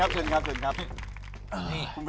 เชิญครับเชิญครับ